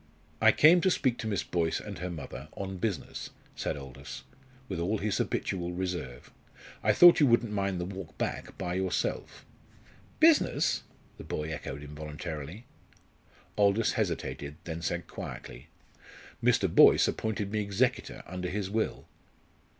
"I came to speak to Miss Boyce and her mother on business," said Aldous, with all his habitual reserve. "I thought you wouldn't mind the walk back by yourself." "Business?" the boy echoed involuntarily. Aldous hesitated, then said quietly: "Mr. Boyce appointed me executor under his will."